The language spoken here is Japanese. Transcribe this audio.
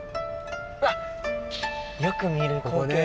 あっよく見る光景。